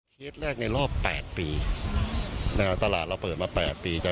เทรดแรกในรอบ๘ปีตลาดเราเปิดมา๘ปี